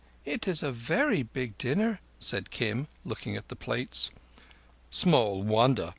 "It is a very big dinner," said Kim, looking at the plates. "Small wonder.